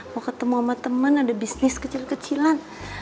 mau ketemu sama teman ada bisnis kecil kecilan